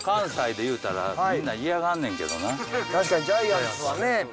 確かにジャイアンツはね。